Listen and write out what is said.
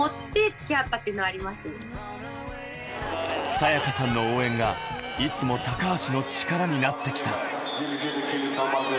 早耶架さんの応援がいつも高橋の力になってきた。